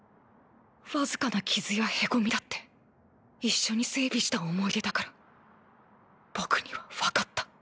僅かな傷やへこみだって一緒に整備した思い出だから僕にはわかった。